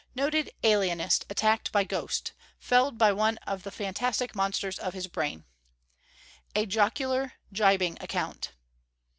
NOTED ALIENIST ATTACKED BY GHOST Felled by One of the Fantastic Monsters of His Brain A jocular, jibing account.